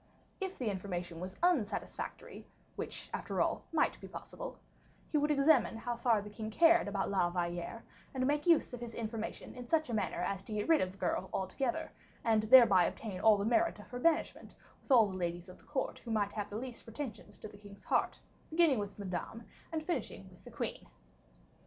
If the information were unsatisfactory, which, after all, might be possible, he would examine how far the king cared about La Valliere, and make use of his information in such a manner as to get rid of the girl altogether, and thereby obtain all the merit of her banishment with all the ladies of the court who might have the least pretensions to the king's heart, beginning with Madame and finishing with the queen.